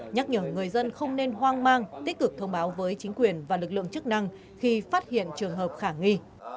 nhắc nhở người dân không nên hoang mang tích cực thông báo với chính quyền và lực lượng chức năng khi phát hiện trường hợp khả nghi